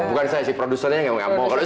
bukan saya sih produsernya yang emang gak mau